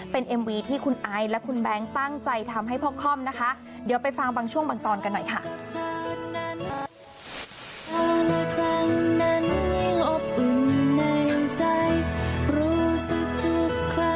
เป็นเอ็มวีที่คุณไอและคุณแบงค์ตั้งใจทำให้พ่อค่อมนะคะเดี๋ยวไปฟังบางช่วงบางตอนกันหน่อยค่ะ